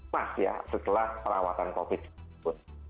mas ya setelah perawatan covid